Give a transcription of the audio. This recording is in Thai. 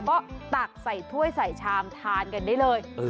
ก็ตักใส่ถ้วยใส่ชามทานกันได้เลย